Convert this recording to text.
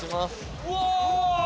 うわ！